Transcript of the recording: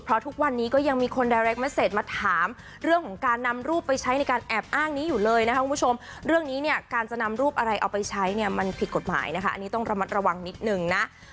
เท่าที่กฎหมายจะพาเราไปถึง